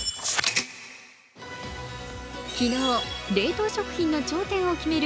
昨日、冷凍食品の頂点を決める